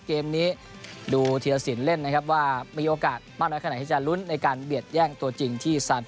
เกมนี้ดูธีรสินเล่นนะครับว่ามีโอกาสมากน้อยขนาดไหนที่จะลุ้นในการเบียดแย่งตัวจริงที่ซาน